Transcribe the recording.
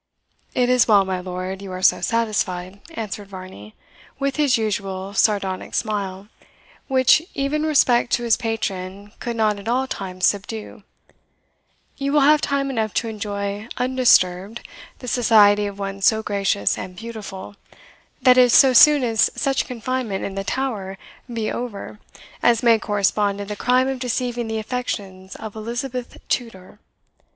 "It is well, my lord, you are so satisfied," answered Varney, with his usual sardonic smile, which even respect to his patron could not at all times subdue; "you will have time enough to enjoy undisturbed the society of one so gracious and beautiful that is, so soon as such confinement in the Tower be over as may correspond to the crime of deceiving the affections of Elizabeth Tudor.